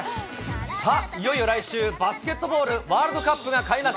さあ、いよいよ来週、バスケットボールワールドカップが開幕。